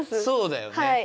そうだよね。